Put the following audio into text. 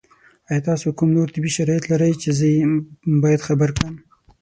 ایا تاسو کوم نور طبي شرایط لرئ چې زه یې باید خبر کړم؟